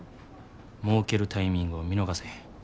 もうけるタイミングを見逃せへん。